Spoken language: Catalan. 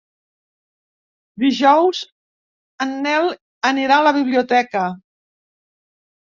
Dijous en Nel anirà a la biblioteca.